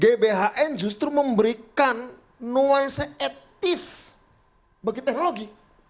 gbhn justru memberikan nuansa etis bagi teknologi